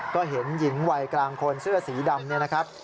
ก็เห็นหญิงวัยกลางคนเสื้อสีดำเนี่ยนะครับ